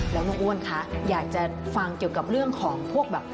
แล้วน้องอ้วนคะอยากจะฟังเกี่ยวกับเรื่องของพวกแบบ